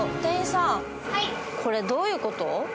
これどういうこと？